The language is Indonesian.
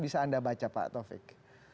bisa anda baca pak taufik